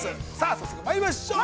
早速まいりましょう。